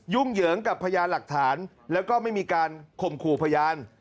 เหยิงกับพยานหลักฐานแล้วก็ไม่มีการข่มขู่พยาน